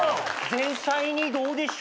前菜にどうでしょう？